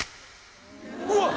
うわっ